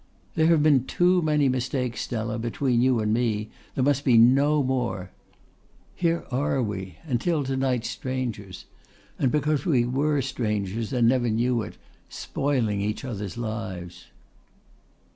"There have been too many mistakes, Stella, between you and me. There must be no more. Here are we until to night strangers, and because we were strangers, and never knew it, spoiling each other's lives."